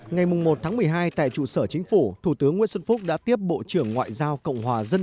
ngày một một mươi hai tại trụ sở chính phủ thủ tướng nguyễn xuân phúc đã tiếp bộ trưởng ngoại giao cộng hòa dân